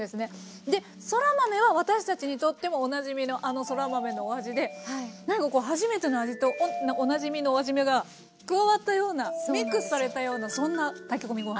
そら豆は私たちにとってもおなじみのあのそら豆のお味でなんかこう初めての味とおなじみのお味が加わったようなミックスされたようなそんな炊き込みご飯です。